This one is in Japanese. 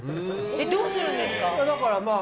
どうするんですか？